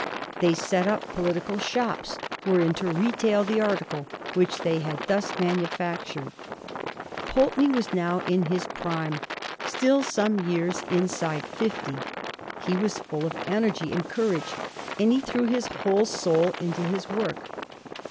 They set up political shops wherein to retail the article which they had thus manufactured. Pulteney was now in his prime — still some years inside fifty. He was full of energy and courage, and he threw his whole soul into his work.